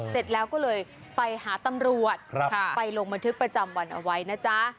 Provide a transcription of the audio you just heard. เสร็จแล้วก็เลยไปหาตำรวจไปลงบันทึกประจำวันเอาไว้นะจ๊ะ